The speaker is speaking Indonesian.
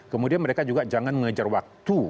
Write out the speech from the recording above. kemudian mereka juga jangan mengejar waktu